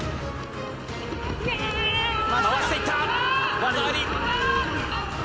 回していった！